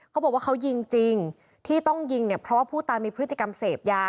เขาบอกว่าเขายิงจริงที่ต้องยิงเนี่ยเพราะว่าผู้ตายมีพฤติกรรมเสพยา